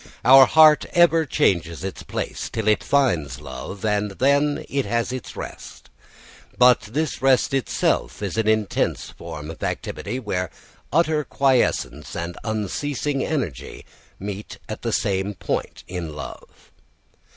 Our heart ever changes its place till it finds love, and then it has its rest. But this rest itself is an intense form of activity where utter quiescence and unceasing energy meet at the same point in love.